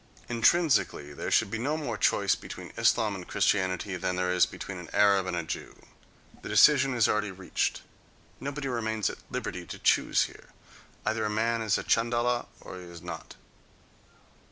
Intrinsically there should be no more choice between Islam and Christianity than there is between an Arab and a Jew. The decision is already reached; nobody remains at liberty to choose here. Either a man is a Chandala or he is not....